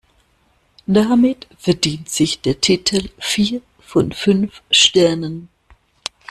Damit verdient sich der Titel vier von fünf Sternen.